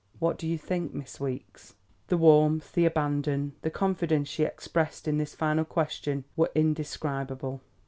What do you think, Miss Weeks?" The warmth, the abandon, the confidence she expressed in this final question were indescribable.